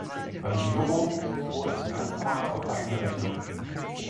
Beim Giro fuhr er zum ersten Mal auf eigene Rechnung.